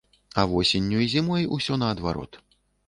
А восенню і зімой усё наадварот.